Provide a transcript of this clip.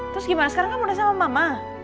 terus gimana sekarang kan udah sama mama